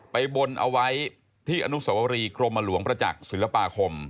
บนเอาไว้ที่อนุสวรีกรมหลวงประจักษ์ศิลปาคม